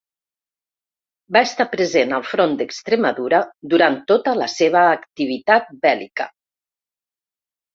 Va estar present al front d'Extremadura durant tota la seva activitat bèl·lica.